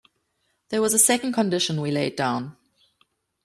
There was a second condition we laid down.